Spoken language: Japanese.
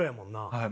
はい。